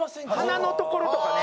鼻のところとかね。